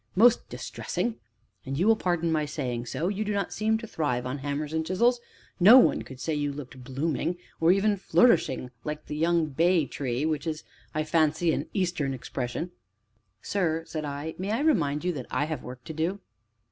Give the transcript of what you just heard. Most distressing! and, you will pardon my saying so, you do not seem to thrive on hammers and chisels; no one could say you looked blooming, or even flourishing like the young bay tree (which is, I fancy, an Eastern expression)." "Sir," said I, "may I remind you that I have work to do?"